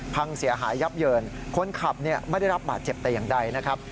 พังเสียหายยับเยินคนขับไม่ได้รับบาดเจ็บแต่อย่างใดนะครับ